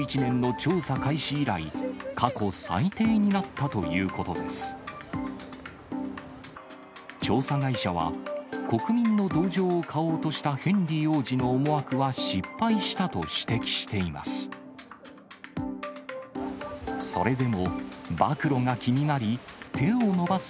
調査会社は国民の同情を買おうとしたヘンリー王子の思惑は失敗したと指摘しています。